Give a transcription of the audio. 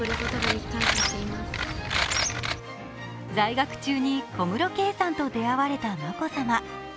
在学中に小室圭さんと出会われた眞子さま。